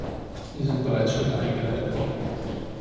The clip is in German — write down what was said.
Hier sind bereits Schritte eingeleitet worden.